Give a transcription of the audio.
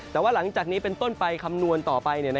แต่ว่าหลังจากนี้เป็นต้นไปคำนวณต่อไป